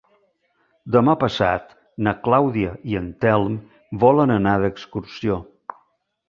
Demà passat na Clàudia i en Telm volen anar d'excursió.